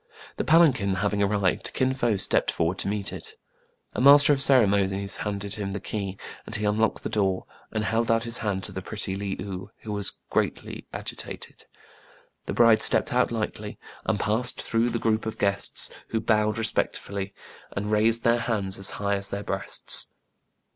The palanquin having arrived, Kin Fo stepped forward to meet it. A master of ceremonies handed him the key, and he unlocked the door, and held out his hand to the pretty Le ou, who was greatly agitated. The bride stepped out lightly, and passed through the group of guests, who bowed respectfully, and raised their hands as high as their breasts.